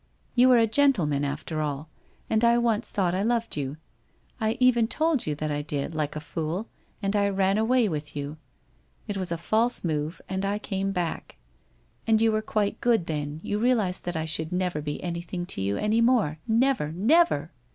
You are a gentleman, after all, and I once thought I loved you. I even told you that I did, like a fool, and I ran away with you. It was a false move and I came back. And you were quite good then, you realized that I should never be anything to you any more, never, never!